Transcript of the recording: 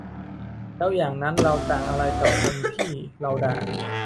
แล้วอย่างนั้นเราต่างอะไรกับคนที่เราด่า ?